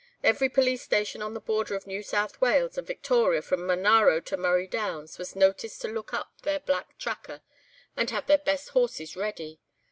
Every police station on the border of New South Wales and Victoria from Monaro to Murray Downs was noticed to look up their black tracker, and have their best horses ready.